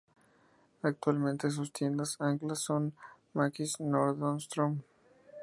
Actualmente sus tiendas anclas son Macy's y Nordstrom.